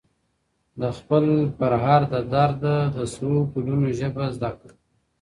د خپل پرهر د دړد ده، سرو ګلونو ژبه زده که.